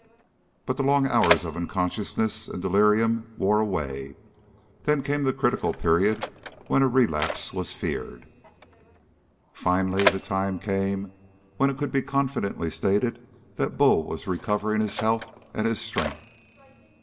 But the long hours of unconsciousness and delirium wore away. Then came the critical period when a relapse was feared. Finally the time came when it could be confidently stated that Bull was recovering his health and his strength.